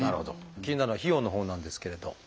気になるのは費用のほうなんですけれど。